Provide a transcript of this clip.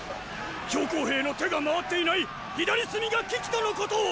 公兵の手が回っていない左隅が危機とのこと！